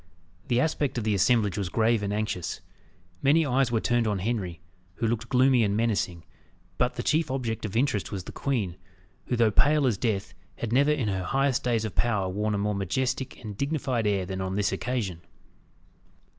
The aspect of the assemblage was grave and anxious. Many eyes were turned on Henry, who looked gloomy and menacing, but the chief object of interest was the queen, who, though pale as death, had never in her highest days of power worn a more majestic and dignified air than on this occasion.